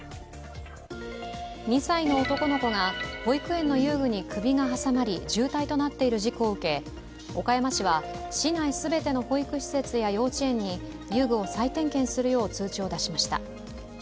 ２歳の男の子が保育園の遊具に首が挟まり重体となっている事故を受け岡山市は市内全ての保育施設や幼稚園に遊具を再点検するよう通知を出しました。